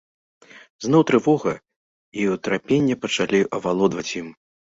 Зноў трывога і ўтрапенне пачалі авалодваць ім.